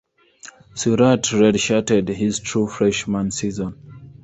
Surratt redshirted his true freshman season.